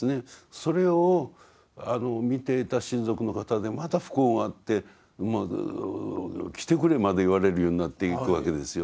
それを見ていた親族の方でまた不幸があって来てくれまで言われるようになっていくわけですよ。